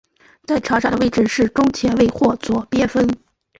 在场上的位置是中前卫或左边锋。